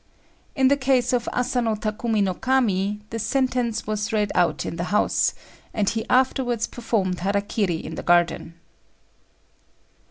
In the case of Asano Takumi no Kami, the sentence was read out in the house, and he afterwards performed hara kiri in the garden.